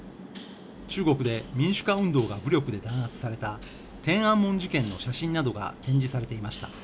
中国で民主化運動が武力で弾圧された天安門事件の写真などが展示されていました